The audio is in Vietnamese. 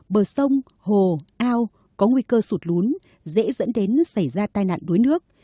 bờ sông hồ ao có nguy cơ sụt lún dễ dẫn đến xảy ra tai nạn đuối nước